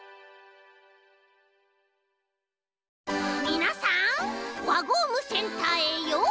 みなさんわゴームセンターへようこそ！